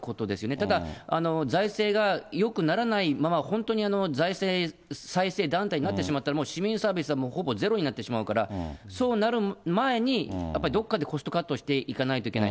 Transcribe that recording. ただ財政がよくならないまま、本当に財政再生団体になってしまったら、市民サービスはもうほぼゼロになってしまうから、そうなる前に、やっぱりどっかでコストカットしていかないといけない。